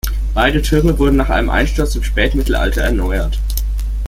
Beide Türme wurden nach einem Einsturz im Spätmittelalter erneuert.